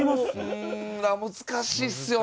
うーん難しいっすよね。